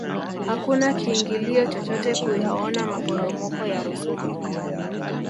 hakuna kiingilio chochote kuyaona maporomoko ya rusumo